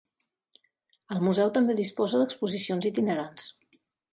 El museu també disposa d'exposicions itinerants.